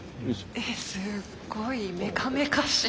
えすっごいメカメカしい。